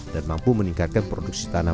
dan mampu meningkatkan produksi tanah